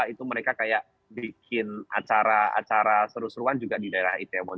itu mereka kayak bikin acara acara seru seruan juga di daerah itaewon